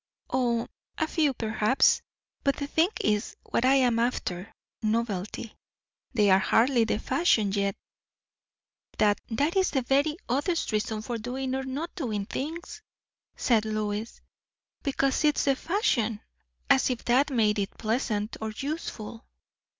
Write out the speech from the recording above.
"O, a few, perhaps; but the thing is what I am after novelty; they are hardly the fashion yet." "That is the very oddest reason for doing or not doing things!" said Lois. "Because it's the fashion! As if that made it pleasant, or useful."